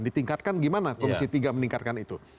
ditingkatkan gimana komisi tiga meningkatkan itu